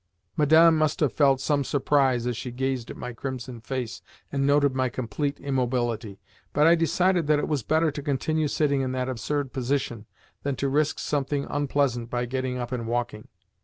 Madame must have felt some surprise as she gazed at my crimson face and noted my complete immobility, but I decided that it was better to continue sitting in that absurd position than to risk something unpleasant by getting up and walking.